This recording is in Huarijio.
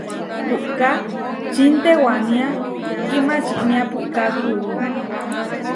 Puʼka čintewania kimačinia, puʼká kuú.